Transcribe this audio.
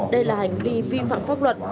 đây là hành vi vi phạm pháp luật